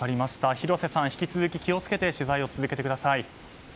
広瀬さん、引き続き気を付けて取材を続けてください。